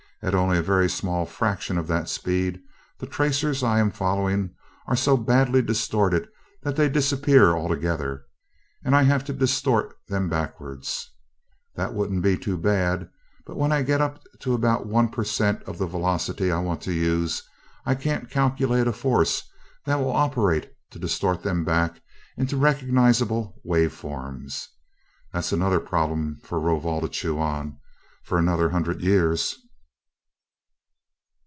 At only a very small fraction of that speed the tracers I am following are so badly distorted that they disappear altogether, and I have to distort them backwards. That wouldn't be too bad, but when I get up to about one per cent of the velocity I want to use, I can't calculate a force that will operate to distort them back into recognizable wave forms. That's another problem for Rovol to chew on, for another hundred years."